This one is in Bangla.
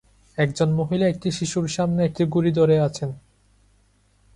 একজন মহিলা একটি শিশুর সামনে একটি ঘুড়ি ধরে আছেন।